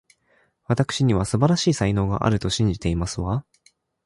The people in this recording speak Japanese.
わたくしには、素晴らしい才能があると信じていますわ